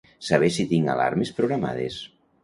Saber si tinc alarmes programades.